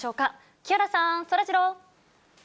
木原さん、そらジロー。